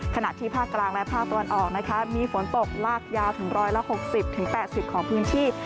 ขณะที่ภาคกลางและภาคตะวันออกนะคะมีฝนตกลากยาวถึง๑๖๐๘๐ของพื้นที่